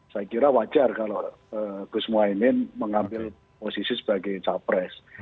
saya kira wajar kalau gus mohaimin mengambil posisi sebagai capres